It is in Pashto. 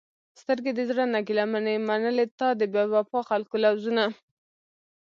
سترګې د زړه نه ګېله منې، منلې تا د بې وفاء خلکو لوظونه